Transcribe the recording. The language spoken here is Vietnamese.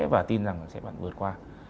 và tin rằng sẽ vượt qua